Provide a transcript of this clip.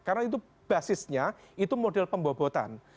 karena itu basisnya itu model pembobotan